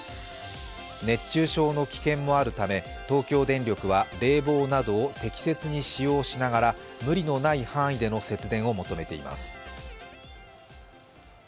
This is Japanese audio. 熱中症の危険もあるため、東京電力は冷房などを適切に使用しながら無理のない範囲での節電を求めています。